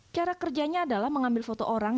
cara kerjanya adalah mengambil foto orang